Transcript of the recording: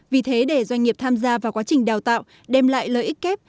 vì thế để doanh nghiệp tham gia vào quá trình đào tạo đem lại lợi ích kép